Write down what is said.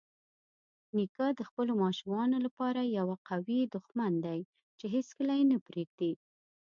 نیکه د خپلو ماشومانو لپاره یوه قوي دښمن دی چې هیڅکله یې نه پرېږدي.